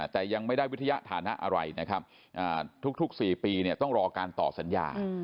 แต่ยังไม่ได้วิทยาฐานะอะไรนะครับทุก๔ปีต้องรอการต่อสัญญา